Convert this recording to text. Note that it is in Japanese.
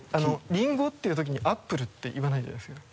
「リンゴ」って言うときに「アップル」て言わないじゃないですか。